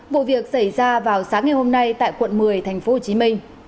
vụ việc xảy ra vào sáng ngày hôm nay tại quận một mươi tp hcm